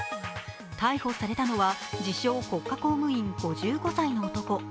逮捕されたのは自称・国家公務員５５歳の男。